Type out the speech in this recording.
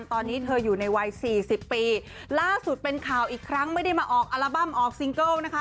ตอนนี้เธออยู่ในวัยสี่สิบปีล่าสุดเป็นข่าวอีกครั้งไม่ได้มาออกอัลบั้มออกซิงเกิลนะคะ